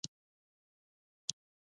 د ظالم ستاینه د بې وسۍ چیغه ده.